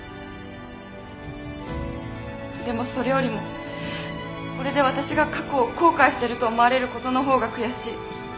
でもそれよりもこれで私が過去を後悔してると思われることの方が悔しい。